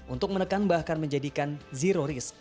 untuk menekan bahkan menjadikan zero risk